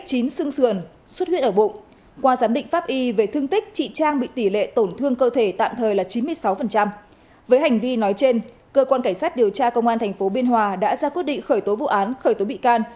cơ quan cảnh sát điều tra công an thành phố biên hòa đã ra quyết định khởi tố vụ án khởi tố bị can